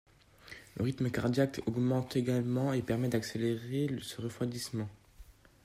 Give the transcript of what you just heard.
Le rythme cardiaque augmente également et permet d'accélérer ce refroidissement.